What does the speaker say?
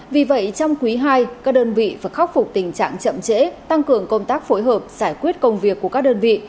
vì vậy trong quý ii các đơn vị phải khắc phục tình trạng chậm trễ tăng cường công tác phối hợp giải quyết công việc của các đơn vị